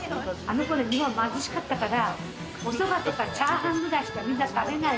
あの頃、日本は貧しかったからお蕎麦とかチャーハンくらいしかみんな食べない。